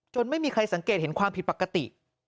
ไม่มีใครสังเกตเห็นความผิดปกติ